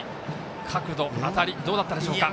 角度、当たりどうだったでしょうか。